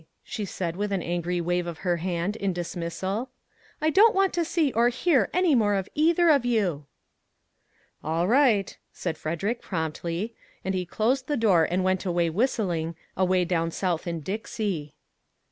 " she said, with an angry wave of her hand in dismissal, " I don't want to see or hear any more of either of you." " All right," said Frederick, promptly, and he closed the door and went away whistling " Away Down South in Dixie."